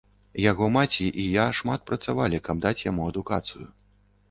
Яго маці і я шмат працавалі, каб даць яму адукацыю.